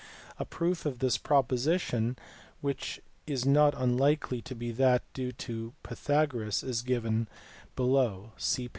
A proof of this proposition which is not unlikely to be that due to Pythagoras is given below (see p.